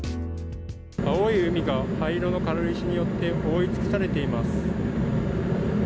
青い海が灰色の軽石によって覆い尽くされています。